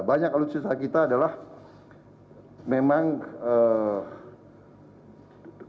banyak alutsista kita adalah memang karena ketertakutan